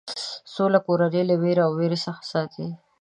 سوله کورنۍ له وېره او وېرې څخه ساتي.